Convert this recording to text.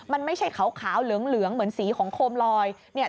มันไม่ใช่ขาวเหลืองเหมือนสีของโคมลอยเนี่ย